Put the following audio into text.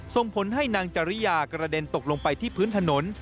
ส่งผลให้นางจริยากระเด็นตกลงไปที่พื้นถนน